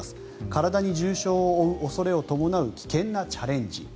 体に重傷を負う恐れを伴う危険なチャレンジ